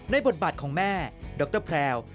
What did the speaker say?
บทบาทของแม่ดรแพรว